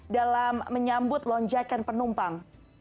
dalam menyambut lonjakan penumpang